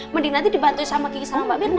mending nanti dibantuin sama kiki sama mbak birna